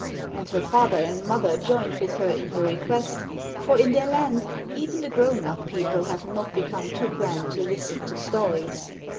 And her father and mother joined with her in her request, for in their land even the grown up people have not become too grand to listen to stories.